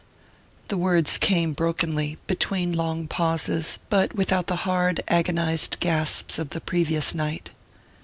The words came brokenly, between long pauses, but without the hard agonized gasps of the previous night.